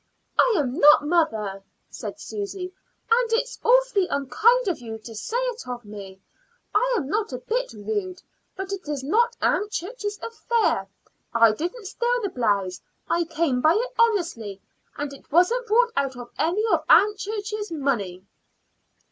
"I am not, mother," said Susy; "and it's awfully unkind of you to say it of me. I am not a bit rude. But it is not Aunt Church's affair. I didn't steal the blouse; I came by it honestly, and it wasn't bought out of any of Aunt Church's money."